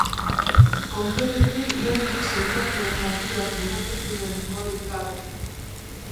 Konkretuki lehen bi sailkatuen partidak bukatu ziren golik gabe.